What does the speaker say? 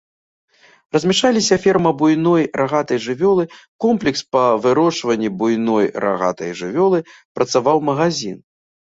Размяшчаліся ферма буйной рагатай жывёлы, комплекс па вырошчванні буйной рагатай жывёлы, працаваў магазін.